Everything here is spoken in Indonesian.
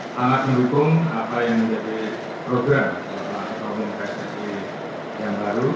sangat menghukum apa yang menjadi program untuk komunikasi yang baru